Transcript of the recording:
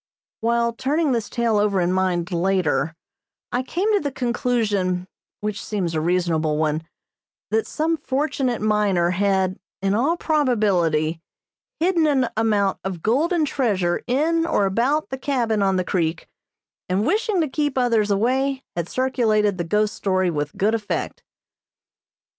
While turning this tale over in mind later, I came to the conclusion, which seems a reasonable one, that some fortunate miner had, in all probability, hidden an amount of golden treasure in or about the cabin on the creek, and wishing to keep others away, had circulated the ghost story with good effect.